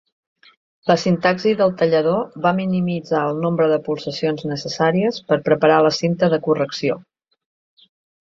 La sintaxi del tallador va minimitzar el nombre de pulsacions necessàries per preparar la cinta de correcció.